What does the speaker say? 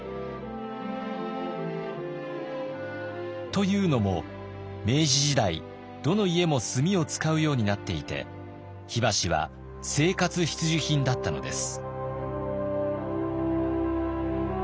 というのも明治時代どの家も炭を使うようになっていて火箸は生活必需品だったのです。